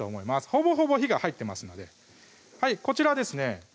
ほぼほぼ火が入ってますのでこちらですね